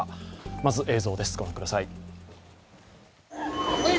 まず映像です、御覧ください。